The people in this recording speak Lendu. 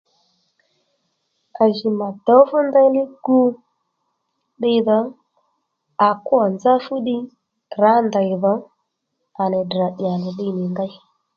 À jì mà dǒw fú ndeyli gu ddiydhò à kwô nzá fúddiy rǎ ndèy dhò à nì Ddrà dyà nì ddiy nì ndèy